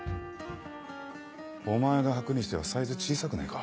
お前がはくにしてはサイズ小さくねえか？